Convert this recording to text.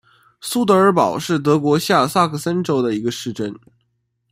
苏德尔堡是德国下萨克森州的一个市镇。